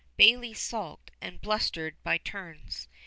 Bayly sulked and blustered by turns.